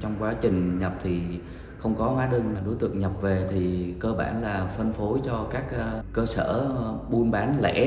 trong quá trình nhập thì không có hóa đơn mà đối tượng nhập về thì cơ bản là phân phối cho các cơ sở buôn bán lẻ